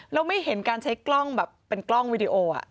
แล้วไม่เห็นการใช้กล้องแบบเป็นกล้องวิดีโอ